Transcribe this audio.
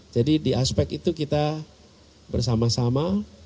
jadi di aspek itu kita bersama sama